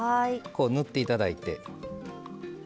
こう塗って頂いて。